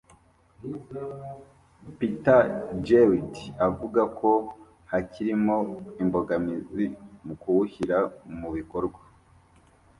Peter Jewitt avuga ko hakirimo imbogamizi mu kuwushyira mu bikorwa